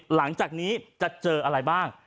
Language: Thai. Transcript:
หลังจากนี้จะเจออะไรบ้าง